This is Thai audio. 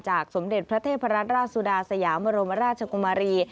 สมเด็จพระเทพรัตนราชสุดาสยามรมราชกุมารี